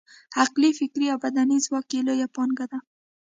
عقلي، فکري او بدني ځواک یې لویه پانګه ده.